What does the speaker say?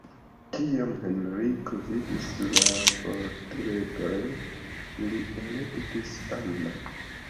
Kiam Henriko vidis la portretojn, li elektis Anna.